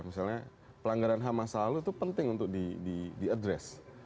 misalnya pelanggaran ham masa lalu itu penting untuk diadres